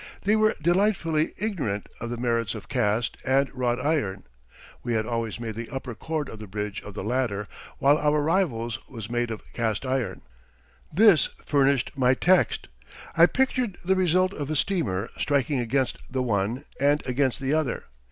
They were delightfully ignorant of the merits of cast and wrought iron. We had always made the upper cord of the bridge of the latter, while our rivals' was made of cast iron. This furnished my text. I pictured the result of a steamer striking against the one and against the other.